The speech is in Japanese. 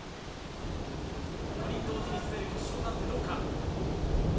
４人同時に滑る決勝になってどうか。